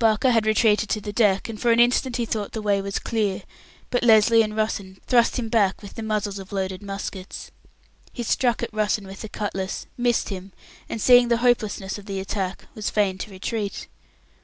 Barker had retreated to the deck, and for an instant he thought the way was clear, but Lesly and Russen thrust him back with the muzzles of the loaded muskets. He struck at Russen with the cutlass, missed him, and, seeing the hopelessness of the attack, was fain to retreat.